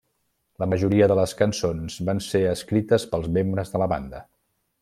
La majoria de les cançons van ser escrites pels membres de la banda.